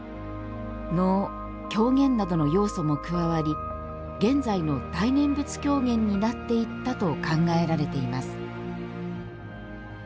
能、狂言などの要素も加わり現在の大念仏狂言になっていったと考えられています。